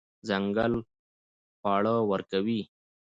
ځنګل خواړه ورکوي.